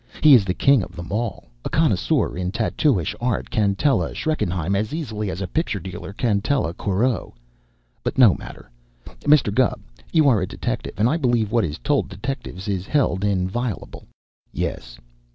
He is the king of them all. A connoisseur in tattooish art can tell a Schreckenheim as easily as a picture dealer can tell a Corot. But no matter! Mr. Gubb, you are a detective and I believe what is told detectives is held inviolable. Yes.